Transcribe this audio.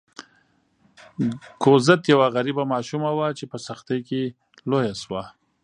کوزت یوه غریبه ماشومه وه چې په سختۍ کې لویه شوه.